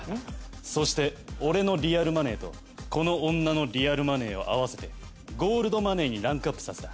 そして俺のリアルマネーとこの女のリアルマネーを合わせてゴールドマネーにランクアップさせた。